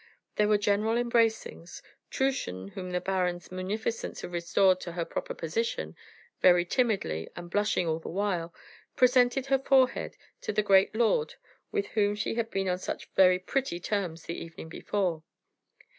There were general embracings; Truchen, whom the baron's munificence had restored to her proper position, very timidly, and blushing all the while, presented her forehead to the great lord with whom she had been on such very pretty terms the evening before.